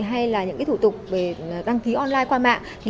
hay là những thủ tục về đăng ký online qua mạng